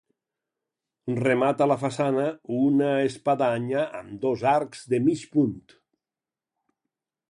Remata la façana una espadanya amb dos arcs de mig punt.